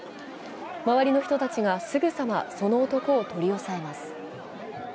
周りの人たちがすぐさまその男を取り押さえます。